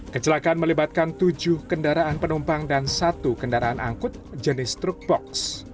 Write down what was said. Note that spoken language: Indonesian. kecelakaan melibatkan tujuh kendaraan penumpang dan satu kendaraan angkut jenis truk box